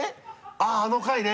「あっあの回ね！